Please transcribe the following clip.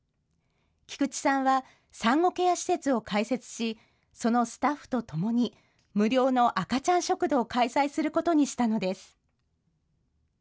菊地さんは産後ケア施設を開設し、そのスタッフとともに無料の赤ちゃん食堂を開催することにしたのです。